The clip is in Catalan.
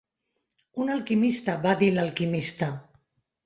"Un alquimista", va dir l'alquimista.